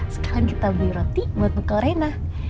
sekarang kita beli roti buat buka arena